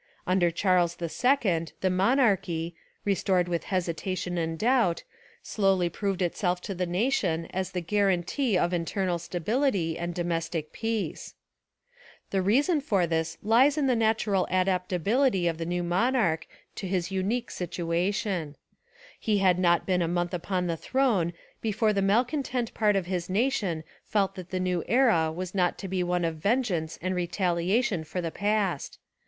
Under Charles II the mon archy, restored with hesitation and doubt, slowly proved itself to the nation as the guar antee of internal stability and domestic peace. The reason for this lies in the natural adapta 285 Essays and Literary Studies bility of the new monarch to his unique situa tion. He had not been a month upon the throne before the malcontent part of his nation felt that the new era was not to be one of vengeance and retaliation for the past.